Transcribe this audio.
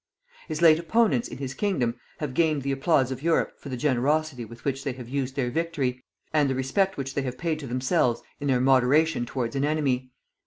His late opponents in his kingdom have gained the applause of Europe for the generosity with which they have used their victory, and the respect which they have paid to themselves in their moderation towards an enemy.